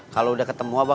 kalau udah ketemu abang